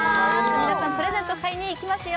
皆さんプレゼント買いに行きますよ